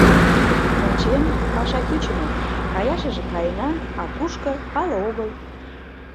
Ончем, паша кӱчымӧ: каяшыже — каена, а кушко — пале огыл.